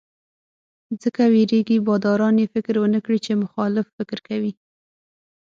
ځکه وېرېږي باداران یې فکر ونکړي چې مخالف فکر کوي.